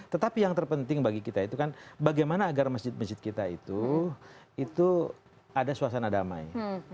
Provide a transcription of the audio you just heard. tetapi yang terpenting bagi kita itu kan bagaimana agar masjid masjid kita itu ada suasana damai